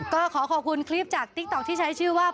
ก็ขอขอบคุณคลิปจากติ๊กต๊อกที่ใช้ชื่อว่า